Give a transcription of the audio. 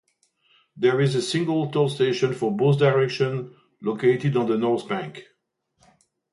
There is a single toll station for both directions, located on the north bank.